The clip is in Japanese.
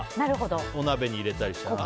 お鍋に入れたりしたら。